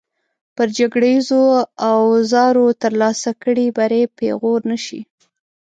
پر جګړیزو اوزارو ترلاسه کړی بری پېغور نه شي.